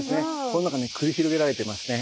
この中で繰り広げられてますね。